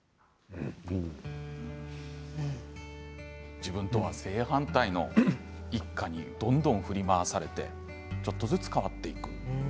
自分とは正反対の一家にどんどん振り回されてちょっとずつ変わっていく。